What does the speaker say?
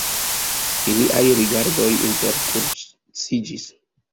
Iliaj rigardoj interkruciĝis.